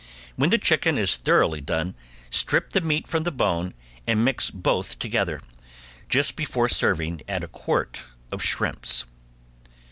When the chicken is thoroughly done strip the meat from the bone and mix both together; just before serving add a quart of shrimps.